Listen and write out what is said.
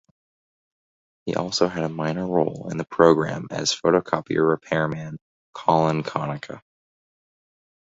He also had a minor role in the programme as photocopier repairman Colin Konica.